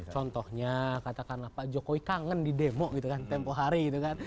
contohnya katakanlah pak jokowi kangen di demo gitu kan tempoh hari gitu kan